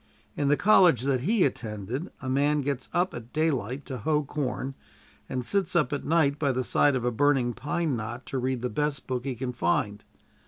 In the college that he attended a man gets up at daylight to hoe corn, and sits up at night by the side of a burning pine knot to read the best book he can find.